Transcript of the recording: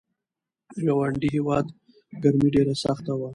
د ګاونډي هیواد ګرمي ډېره سخته وه.